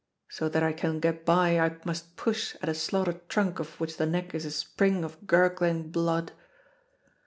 So that I can get by, I must push at a slaughtered trunk of which the neck is a spring of gurgling blood.